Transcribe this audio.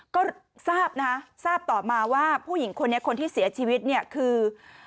ก็ทราบนะคะทราบต่อมาว่าผู้หญิงคนนี้คนที่เสียชีวิตเนี่ยคือ